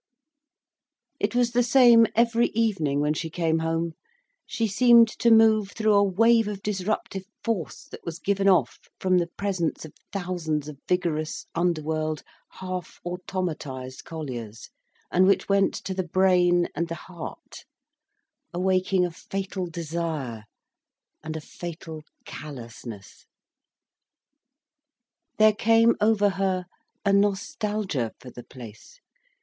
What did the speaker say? It was the same every evening when she came home, she seemed to move through a wave of disruptive force, that was given off from the presence of thousands of vigorous, underworld, half automatised colliers, and which went to the brain and the heart, awaking a fatal desire, and a fatal callousness. There came over her a nostalgia for the place.